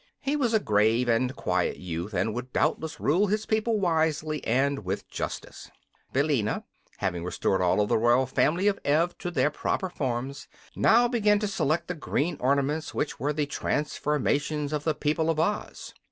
He was a grave and quiet youth, and would doubtless rule his people wisely and with justice. Billina, having restored all of the royal family of Ev to their proper forms, now began to select the green ornaments which were the transformations of the people of Oz.